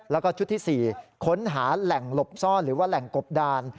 แล้วก็ชุดที่๔ค้นหาแหล่งหลบซ่อนหรือว่าแหล่งกบดาน